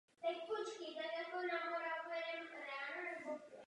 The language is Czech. Všichni známe extrémní případy, kdy tato porucha vedla ke smrti.